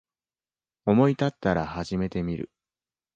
思いたったら始めてみる